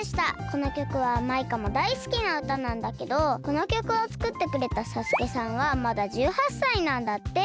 このきょくはマイカもだいすきなうたなんだけどこのきょくをつくってくれたＳＡＳＵＫＥさんはまだ１８さいなんだって。